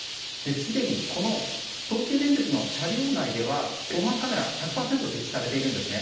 すでにこの東急電鉄の車両内では防犯カメラ、１００％設置されているんですね。